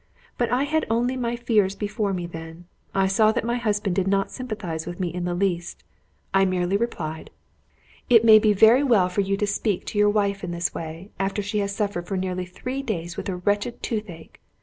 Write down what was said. But I had only my fears before me then: I saw that my husband did not sympathize with me in the least. I merely replied "It may be very well for you to speak to your wife in this way, after she has suffered for nearly three days with a wretched tooth ache.